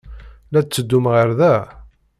La d-tetteddum ɣer da?